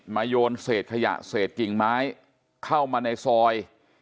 โยนเศษขยะเศษกิ่งไม้เข้ามาในซอย